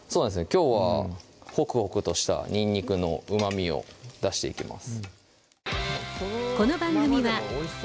きょうはホクホクとしたにんにくのうまみを出していきます